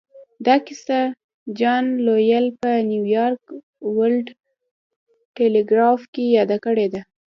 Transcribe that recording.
دا کيسه جان لويل په نيويارک ورلډ ټيليګراف کې ياده کړې ده.